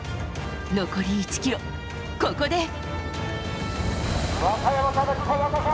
残り１ｋｍ、ここで。